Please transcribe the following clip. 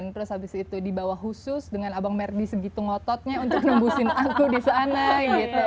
terus abis itu di bawah khusus dengan abang merdi segitu ngototnya untuk nungguin aku disana gitu